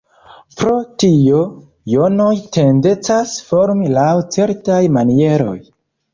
Pro tio, jonoj tendencas formi laŭ certaj manieroj.